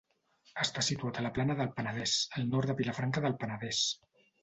Està situat a la plana del Penedès, al nord de Vilafranca del Penedès.